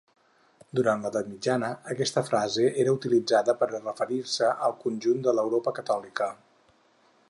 Durant l'edat mitjana aquesta frase era utilitzada per referir-se al conjunt de l'Europa catòlica.